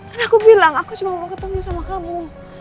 kan aku bilang aku cuma mau ketemu sama kamu